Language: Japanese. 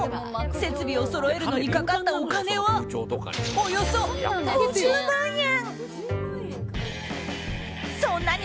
設備をそろえるのにかかったお金はおよそ５０万円。